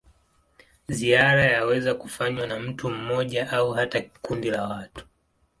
Ziara yaweza kufanywa na mtu mmoja au hata kundi la watu.